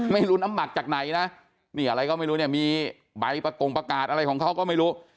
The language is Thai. ไม่รู้น้ำหนักจากไหนนะนี่อะไรก็ไม่รู้เนี่ยมีใบประกงประกาศอะไรของเขาก็ไม่รู้